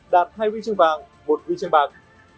đạt hai huy chương vàng một huy chương bạc